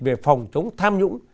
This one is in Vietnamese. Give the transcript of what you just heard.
về phòng chống tham nhũng